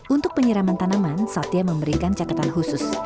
untuk penyiraman tanaman satya memberikan catatan khusus